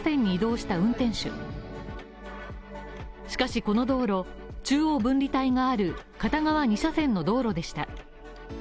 しかしこの道路、中央分離帯がある片側２車線の道路でした。